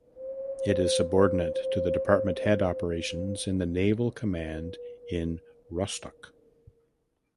It is subordinate to the department head operations in the naval command in Rostock.